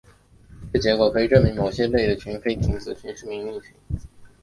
这结果可以证明某些类的群的菲廷子群是幂零群。